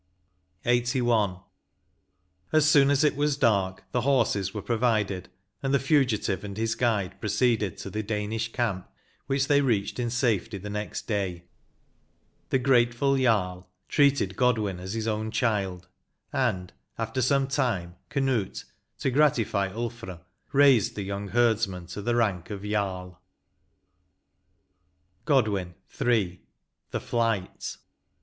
M 162 LXXXI. As soon as it was dark, the horses were provided, and the fugitive and his guide proceeded to the Danish camp, which they reached in safety the next day. The grateful jarl treated Godwin as his own child, and, after some time, Canute, to gratify Ulfr, raised the young herdsman to the rank of jarl. 163 LXXXI. GODWIN. — III. THE FLIGHT.